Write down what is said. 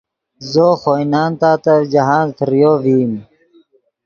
زو خوئے نان تاتف جاہند فریو ڤئیم